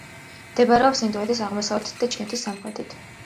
მდებარეობს ინდოეთის აღმოსავლეთით და ჩინეთის სამხრეთით.